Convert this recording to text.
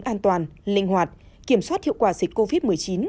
an toàn linh hoạt kiểm soát hiệu quả dịch covid một mươi chín